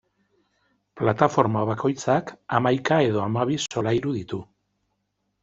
Plataforma bakoitzak hamaika edo hamabi solairu ditu.